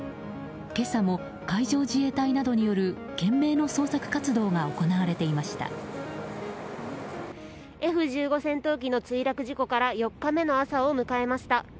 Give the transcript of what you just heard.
今朝も海上自衛隊などによる懸命な捜索活動がＦ１５戦闘機の墜落事故から４日目の朝を迎えました。